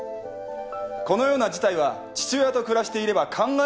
このような事態は父親と暮らしていれば考えられなかった。